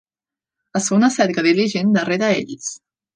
Es fa una cerca diligent darrera ells.